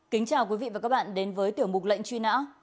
kính chào quý vị và các bạn đến với tiểu mục lệnh truy nã